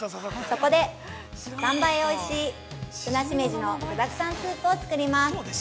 そこで、「３倍おいしいぶなしめじの具沢山スープ」を作ります。